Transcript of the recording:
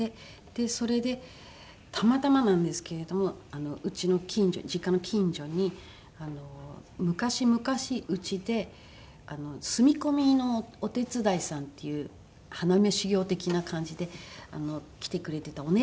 でそれでたまたまなんですけれどもうちの近所実家の近所に昔々うちで住み込みのお手伝いさんっていう花嫁修業的な感じで来てくれてたお姉さんが。